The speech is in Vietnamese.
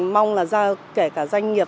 mong là kể cả doanh nghiệp